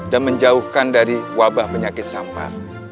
dan menjauhkan dari wabah penyakit sampar